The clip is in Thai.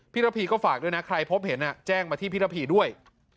ระพีก็ฝากด้วยนะใครพบเห็นแจ้งมาที่พี่ระพีด้วย